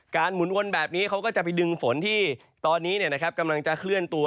หมุนวนแบบนี้เขาก็จะไปดึงฝนที่ตอนนี้กำลังจะเคลื่อนตัว